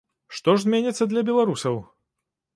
Што ж зменіцца для беларусаў?